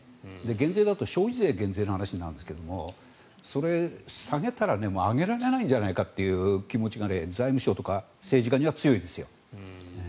減税だと消費税減税の話になると思うんですがそれを下げたら上げられないんじゃないかという気持ちが財務省とか政治家には強いんですよ。